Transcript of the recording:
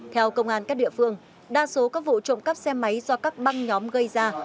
theo công an các địa phương đa số các vụ trộm cắp xe máy do các băng nhóm gây ra